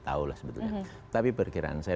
tahu lah sebetulnya tapi perkiraan saya